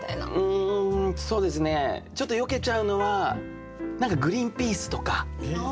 うんそうですねちょっとよけちゃうのはグリンピースとか。